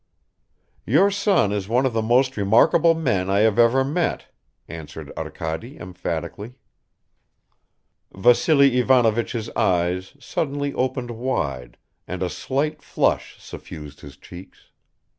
"Your son is one of the most remarkable men I have ever met," answered Arkady emphatically. Vassily Ivanovich's eyes suddenly opened wide, and a slight flush suffused his cheeks.